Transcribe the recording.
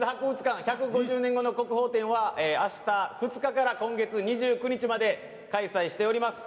「１５０年後の国宝展」はあした、２日から今月２９日まで開催しております。